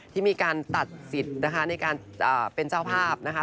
ที่มีการตัดสิทธิ์นะคะในการเป็นเจ้าภาพนะคะ